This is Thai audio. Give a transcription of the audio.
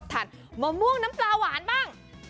มะม่วงน้ำปลาหวานบ้าง